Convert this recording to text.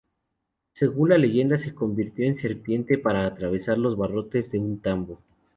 Según la leyenda, se convirtió en serpiente para atravesar los barrotes de un tambo.